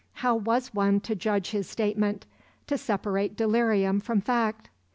How was one to judge his statement, to separate delirium from fact?